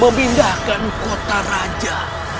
memindahkan kota raja